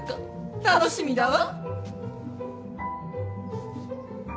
楽しみだわ。